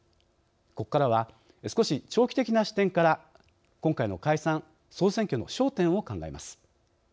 ここからは少し長期的な視点から今回の解散・総選挙の焦点を考えます。